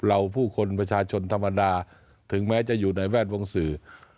ผู้คนประชาชนธรรมดาถึงแม้จะอยู่ในแวดวงสื่อ